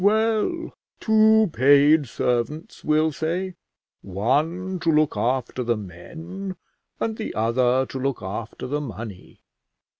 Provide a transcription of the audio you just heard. "Well, two paid servants, we'll say; one to look after the men, and the other to look after the money.